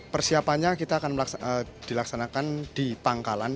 persiapannya kita akan dilaksanakan dipangkalan